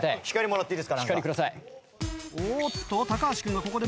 光もらっていいですか？